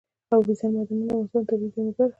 اوبزین معدنونه د افغانستان د طبیعي زیرمو برخه ده.